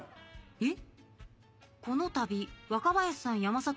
えっ。